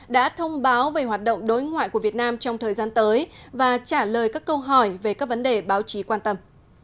đã thông báo về hoạt động đối ngoại của việt nam trong thời gian tới và trả lời các câu hỏi về các vấn đề báo chí quan tâm